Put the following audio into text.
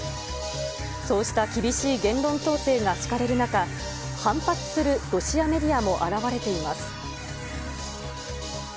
そうした厳しい言論統制が敷かれる中、反発するロシアメディアも現れています。